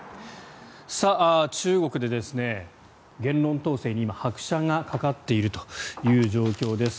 中国で言論統制に今、拍車がかかっているという状況です。